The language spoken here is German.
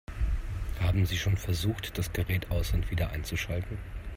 Haben Sie schon versucht, das Gerät aus- und wieder einzuschalten?